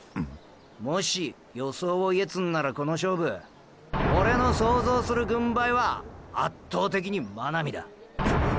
もし予想を言えつんならこの勝負オレの想像する軍配は圧倒的に真波だ。っ！